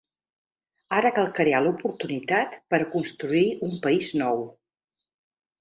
Ara cal crear l’oportunitat per a construir un país nou.